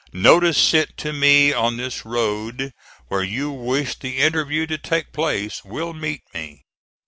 Notice sent to me on this road where you wish the interview to take place will meet me.